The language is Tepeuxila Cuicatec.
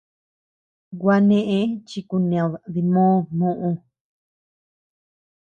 Gua neʼë chi kuned dimod muʼu.